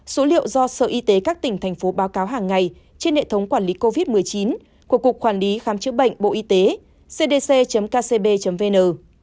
số liệu do sở y tế các tỉnh thành phố báo cáo hàng ngày trên hệ thống quản lý covid một mươi chín của cục quản lý khám chữa bệnh bộ y tế cdc kcb vn